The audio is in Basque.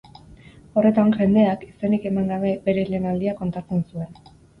Horretan, jendeak, izenik eman gabe, bere lehen aldia kontatzen zuen.